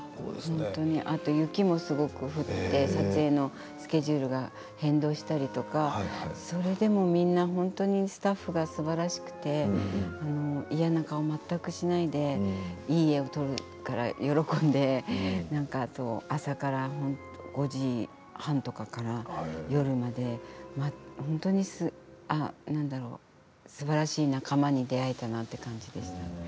あと雪もすごく降って撮影のスケジュールが変動したりとかそれでも、みんな本当にスタッフがすばらしくて嫌な顔もしないでいい映像を撮るから喜んであと朝から５時半とかから夜までなんだろう、すばらしい仲間に出会えたなという感じですね。